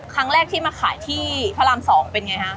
ครั้งแรกที่มาขายที่พระราม๒เป็นไงฮะ